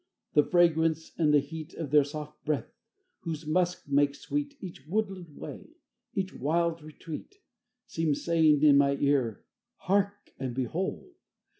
The fragrance and the heat Of their soft breath, whose musk makes sweet Each woodland way, each wild retreat, Seem saying in my ear, "Hark, and behold!